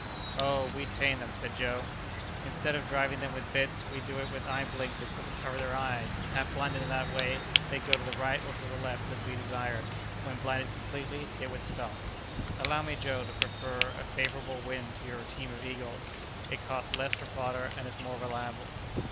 "Oh! we'd tame them," said Joe. "Instead of driving them with bits, we'd do it with eye blinkers that would cover their eyes. Half blinded in that way, they'd go to the right or to the left, as we desired; when blinded completely, they would stop." "Allow me, Joe, to prefer a favorable wind to your team of eagles. It costs less for fodder, and is more reliable."